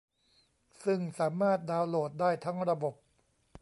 ซึ่งสามารถดาวน์โหลดได้ทั้งระบบ